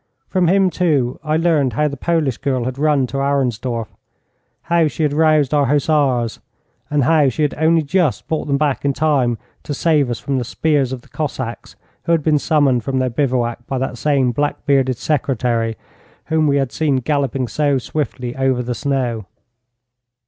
From him, too, I learned how the Polish girl had run to Arensdorf, how she had roused our hussars, and how she had only just brought them back in time to save us from the spears of the Cossacks who had been summoned from their bivouac by that same black bearded secretary whom we had seen galloping so swiftly over the snow.